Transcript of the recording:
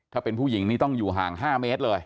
ถ้าเป็นผู้หญิงนี้ต้องอยู่ห่าง๕เมตรเลย